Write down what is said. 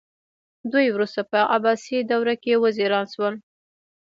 دوی وروسته په عباسي دربار کې وزیران شول